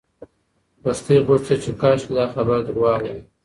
لښتې غوښتل چې کاشکې دا خبر درواغ وای.